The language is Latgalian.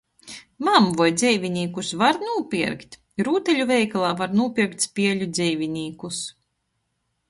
Mam, voi dzeivinīkus var nūpierkt? Rūtaļu veikalā var nūpierkt spieļu dzeivinīkus.